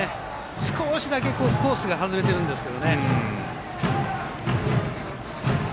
少しだけコースが外れているんですが。